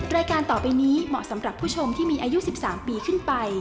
รายการต่อไปนี้เหมาะสำหรับผู้ชมที่มีอายุ๑๓ปีขึ้นไป